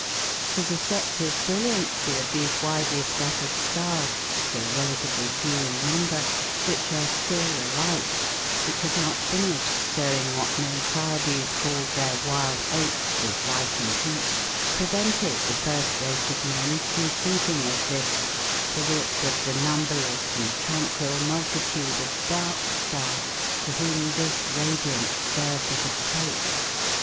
The deceptive brilliancy of these widely scattered stars, so relatively few in number, which are still alight, which have not finished sowing what Miltiades called their wild oats of light and heat, prevented the first race of men from thinking of this, to wit of the numberless and tranquil multitude of dark stars to whom this radiance served as a cloak.